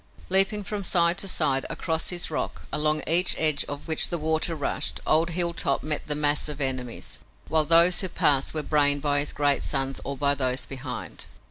Leaping from side to side across his rock, along each edge of which the water rushed, old Hilltop met the mass of enemies, while those who passed were brained by his great sons or by those behind.